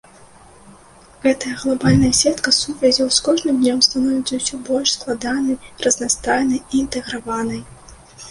Гэтая глабальная сетка сувязяў з кожным днём становіцца ўсё больш складанай, разнастайнай і інтэграванай.